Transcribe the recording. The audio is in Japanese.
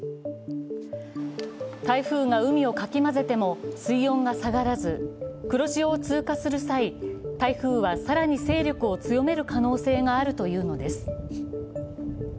台風が海をかき混ぜても水温が下がらず、黒潮を通過する際、台風は更に勢力を強める可能性があるというのです。